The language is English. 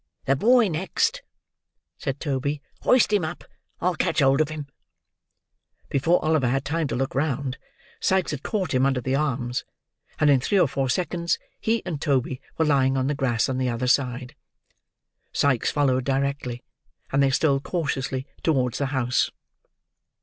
"The boy next," said Toby. "Hoist him up; I'll catch hold of him." Before Oliver had time to look round, Sikes had caught him under the arms; and in three or four seconds he and Toby were lying on the grass on the other side. Sikes followed directly. And they stole cautiously towards the house.